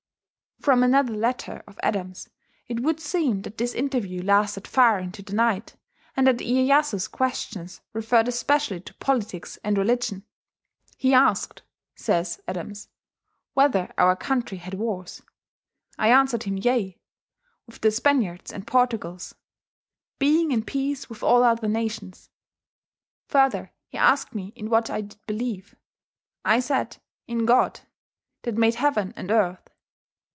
From another letter of Adams it would seem that this interview lasted far into the night, and that Iyeyasu's questions referred especially to politics and religion. "He asked," says Adams, "whether our countrey had warres? I answered him yea, with the Spaniards and Portugals beeing in peace with all other nations. Further he asked me in what I did beleeue? I said, in God, that made heauen and earth.